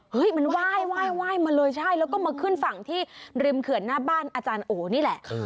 มันไหว้มาเลยใช่แล้วก็มาขึ้นฝั่งที่ริมเขื่อนหน้าบ้านอาจารย์โอนี่แหละ